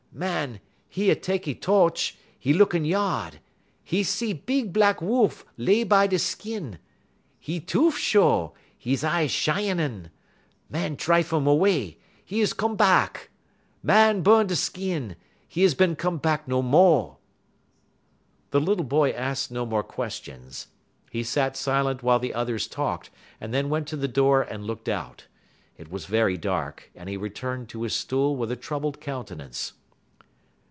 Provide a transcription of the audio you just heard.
Man, 'e tekky to'ch, 'e look in ya'd. 'E see big blahck Woolf lay by da' skin. E toof show; 'e y eye shiün. Man drife um 'way; 'e is come bahck. Man bu'n da' skin; 'e is bin a come bahck no mo'." The little boy asked no more questions. He sat silent while the others talked, and then went to the door and looked out. It was very dark, and he returned to his stool with a troubled countenance.